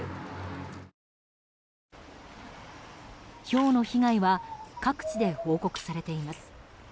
ひょうの被害は各地で報告されています。